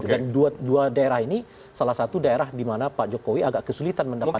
dua daerah ini salah satu daerah di mana pak jokowi agak kesulitan mendapatkan